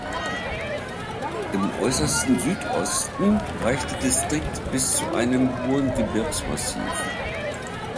Im äußersten Südosten reicht der Distrikt bis zu einem hohen Gebirgsmassiv.